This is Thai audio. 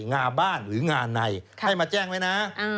งาบ้านหรืองาในให้มาแจ้งไว้นะ